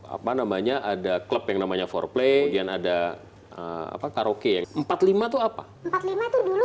apa namanya ada club yang namanya foreplay kemudian ada karaoke yang empat puluh lima itu apa empat puluh lima itu dulu